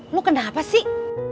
lo kenapa sih